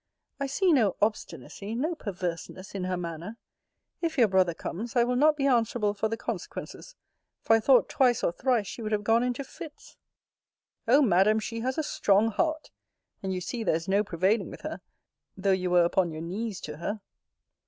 I see no obstinacy, no perverseness, in her manner! If your brother comes, I will not be answerable for the consequences: for I thought twice or thrice she would have gone into fits. O Madam, she has a strong heart! And you see there is no prevailing with her, though you were upon your knees to her.